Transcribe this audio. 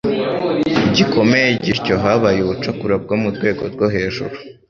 gikomeye gityo habaye ubucakura bwo mu rwego rwo hejuru.